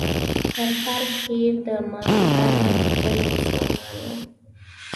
پر هر هېر د ماهیپر ګټي ځوانانو